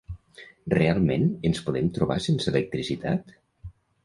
Realment ens podem trobar sense electricitat?